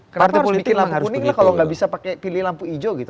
kenapa harus bikin lampu kuning kalau gak bisa pilih lampu hijau gitu